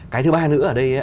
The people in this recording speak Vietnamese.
cái thứ ba nữa ở đây